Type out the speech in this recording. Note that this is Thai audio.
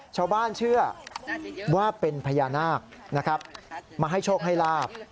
ชาวบ้านเชื่อว่าเป็นพญานาคนะครับมาให้โชคให้ลาบ